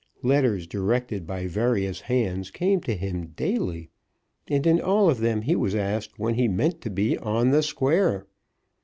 Letters directed by various hands came to him daily, and in all of them he was asked when he meant to be on the square.